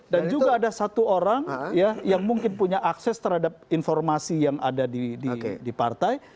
dan juga ada satu orang yang mungkin punya akses terhadap informasi yang ada di partai